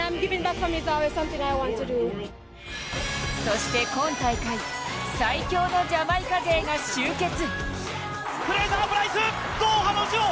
そして今大会、最強のジャマイカ勢が集結。